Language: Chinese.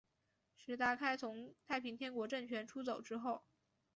石达开从太平天国政权出走之后。